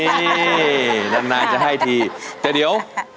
นี่ยังไงจะให้ทีแต่เดี๋ยว